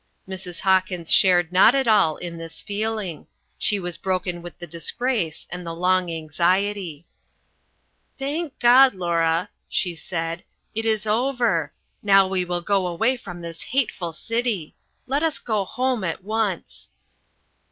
Mrs. Hawkins shared not at all in this feeling; she was broken with the disgrace and the long anxiety. "Thank God, Laura," she said, "it is over. Now we will go away from this hateful city. Let us go home at once."